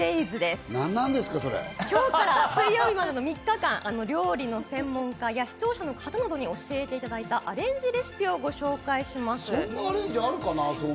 今日から水曜日までの３日間、料理家のプロや、視聴者の方などに教えていただいたアレンジレシピをご紹介します。